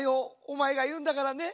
おまえがいうんだからね。